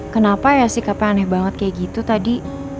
kenapa ya sikapnya aneh banget kayak gitu tadi